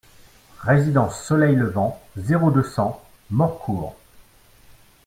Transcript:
Résidence Soleil Levant, zéro deux, cent Morcourt